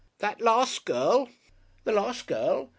"The last girl?" "The last girl.